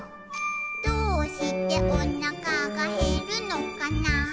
「どうしておなかがへるのかな」